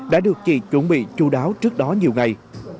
đã được chị chuẩn bị chú đáo trước đó nhiều ngày